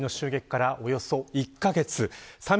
岸田総理の襲撃からおよそ１カ月。